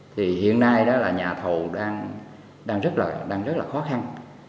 thì hiện nay đó là nhà thầu đang rất là khó khăn